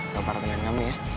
gak partainan kamu ya